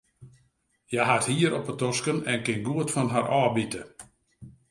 Hja hat hier op de tosken en kin goed fan har ôfbite.